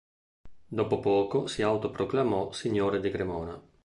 Dopo poco si autoproclamò signore di Cremona.